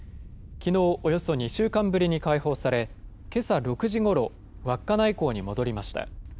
きのう、およそ２週間ぶりに解放され、けさ６時ごろ、稚内港に戻りました。